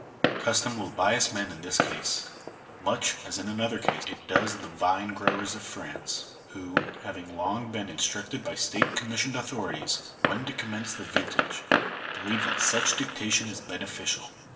Cus tom will bias men in this case, much as in another case it does the vine growers of France, who, having long been instructed by state commissioned authorities when to commence the vin tage, believe that such dictation is beneficial.